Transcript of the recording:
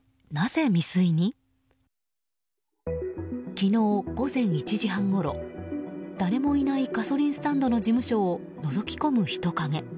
昨日午前１時半ごろ誰もいないガソリンスタンドの事務所をのぞき込む人影。